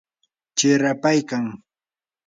chirapaykan.